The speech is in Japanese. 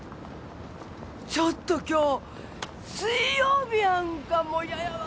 ちょっと今日水曜日やんかもうイヤやわ！